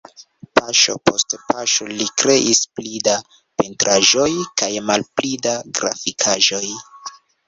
Paŝo post paŝo li kreis pli da pentraĵoj kaj malpli da grafikaĵoj.